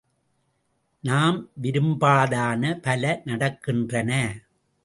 நாம் விரும்பாதன பல நடக்கின்றன!